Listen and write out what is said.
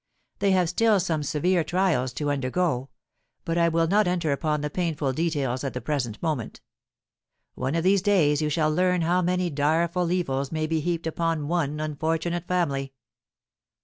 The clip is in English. They have still some severe trials to undergo; but I will not enter upon the painful details at the present moment. One of these days you shall learn how many direful evils may be heaped upon one unfortunate family."